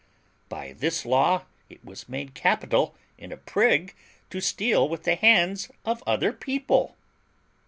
By this law it was made capital in a prig to steal with the hands of other people.